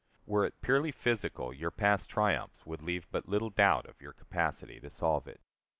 Were it purely physical, your past triumphs would leave but little doubt of your capacity to solve it.